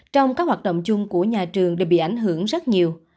trong các hoạt động chung của nhà trường đều bị ảnh hưởng rất nhiều